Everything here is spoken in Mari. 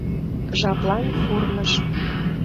жаплан курныж